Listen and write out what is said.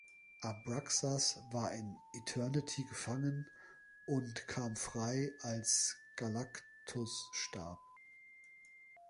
Abraxas war in Eternity gefangen und kam frei, als Galactus starb.